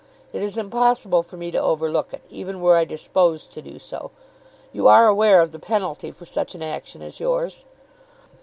It is impossible for me to overlook it, even were I disposed to do so. You are aware of the penalty for such an action as yours?"